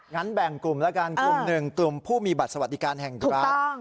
แบ่งกลุ่มแล้วกันกลุ่มหนึ่งกลุ่มผู้มีบัตรสวัสดิการแห่งรัฐ